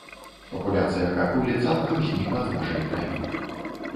Папуляцыя хахулі цалкам знікла з нашай краіны.